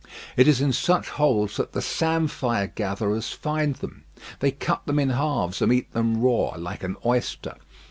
It is in such holes that the samphire gatherers find them. They cut them in halves and eat them raw, like an oyster.